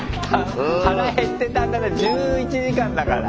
腹減ってたんだね１１時間だから。